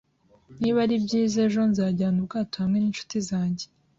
Niba ari byiza ejo, nzajyana ubwato hamwe ninshuti zanjye